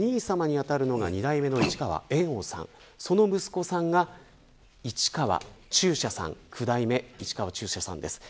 お父さまのお兄さまに当たるのが二代目の市川猿翁さんその息子さんが市川中車さん九代目、市川中車さんです。